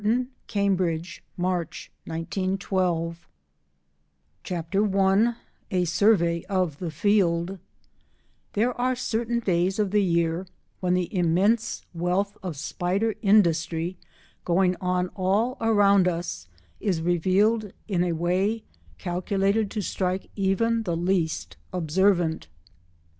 Spinnerets 114 13. Spiders' feet 119 CHAPTER I A SURVEY OF THE FIELD There are certain days of the year when the immense wealth of spider industry going on all around us is revealed in a way calculated to strike even the least observant.